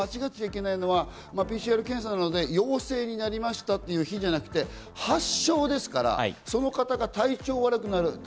間違っちゃいけないのはＰＣＲ検査などで陽性になりましたっていう日じゃなくて発症ですから、その方が体調が悪くなる。